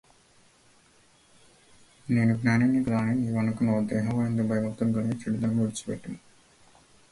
No seats were vacant at the end of the term.